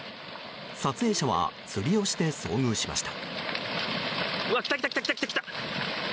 撮影者は釣りをして遭遇しました。